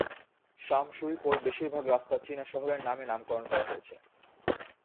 শাম Shui Po বেশিরভাগ রাস্তা চীনা শহরের নামে নামকরণ করা হয়েছে।